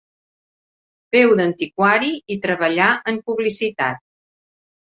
Féu d'antiquari i treballà en publicitat.